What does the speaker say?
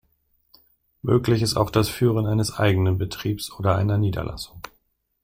Möglich ist auch das Führen eines eigenen Betriebes oder einer Niederlassung.